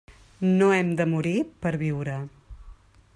No hem de morir per viure.